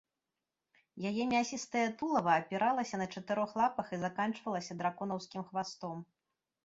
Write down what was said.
Яе мясістае тулава апіралася на чатырох лапах і заканчвалася драконаўскім хвастом.